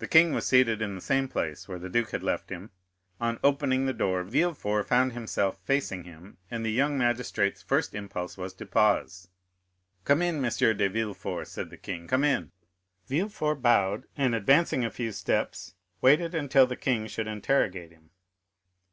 The king was seated in the same place where the duke had left him. On opening the door, Villefort found himself facing him, and the young magistrate's first impulse was to pause. "Come in, M. de Villefort," said the king, "come in." Villefort bowed, and advancing a few steps, waited until the king should interrogate him.